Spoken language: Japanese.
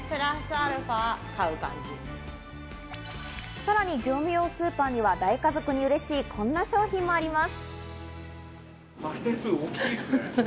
さらに業務用スーパーには大家族にうれしい、こんな商品もあります。